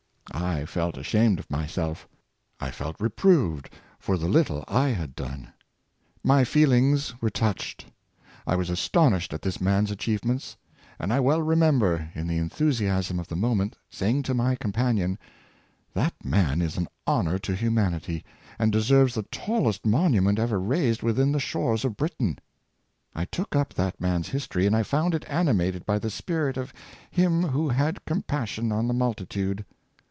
I felt ashamed of myself I felt reproved for the little I had done. My feelings were touched. I was astonished at this man's achievements; and I well remember, in the enthusiasm of the moment, say ing to my companion —' That man is an honor to hu manity, and deserves the tallest monument ever raised within the shores of Britain.' I took up that man's history, and I found it animated by the spirit of Him who * had compassion on the multitude.'